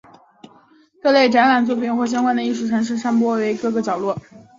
各类展览作品和相关的艺术活动散布于城市的各个角落。